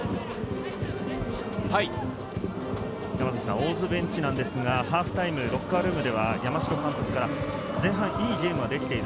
大津ベンチですが、ハーフタイム、ロッカールームでは山城監督が前半いいゲームはできている。